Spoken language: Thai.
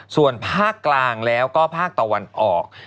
ส่วนภาคกลางแล้วก็ภาคตะวันออก